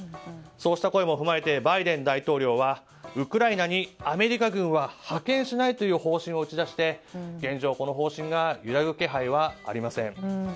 そうした声も踏まえてバイデン大統領はウクライナにアメリカ軍は派遣しないという方針を打ち出して現状、この方針が揺らぐ気配はありません。